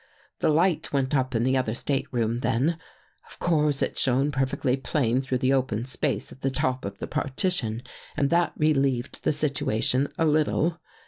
" The light went up in the other stateroom then. Of course it shone perfectly plain through the open space at the top of the partition and that re lieved the situation a little.